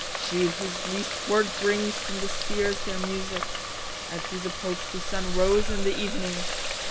She , whose lest word brings from the spheares their musique. At whose approach the Sunne rose in the evening.